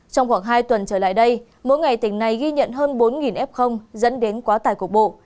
trong khoảng hai tuần trở lại đây mỗi ngày tỉnh này ghi nhận hơn bốn f dẫn đến quá tải cục bộ